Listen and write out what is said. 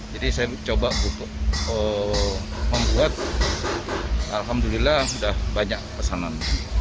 jadi saya coba membuat alhamdulillah sudah banyak pesanan